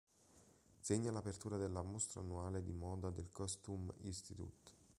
Segna l'apertura della mostra annuale di moda del Costume Institute.